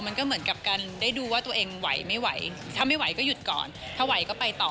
มันก็เหมือนกับการได้ดูว่าตัวเองไหวไม่ไหวถ้าไม่ไหวก็หยุดก่อนถ้าไหวก็ไปต่อ